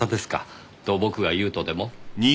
と僕が言うとでも？